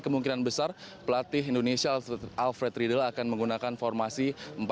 kemungkinan besar pelatih indonesia alfred riedel akan menggunakan formasi empat dua tiga satu